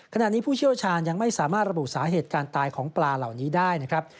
ผู้เชี่ยวชาญยังไม่สามารถระบุสาเหตุการตายของปลาเหล่านี้ได้นะครับ